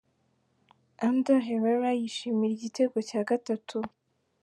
Ander Herrera yishimira igitego cya gatatu